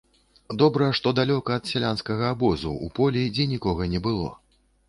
Добра, што далёка ад сялянскага абозу, у полі, дзе нікога не было.